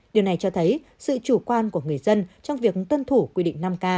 điều này cho thấy sự chủ quan của người dân trong việc tuân thủ quy định năm k